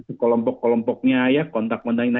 sekelompok kelompoknya ya kontak mana